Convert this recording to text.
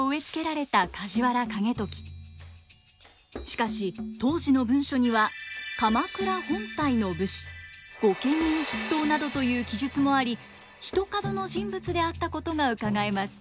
しかし当時の文書には「鎌倉本体の武士」「御家人筆頭」などという記述もありひとかどの人物であったことがうかがえます。